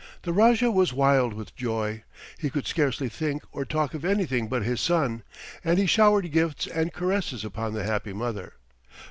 The Rajah was wild with joy. He could scarcely think or talk of anything but his son, and he showered gifts and caresses upon the happy mother.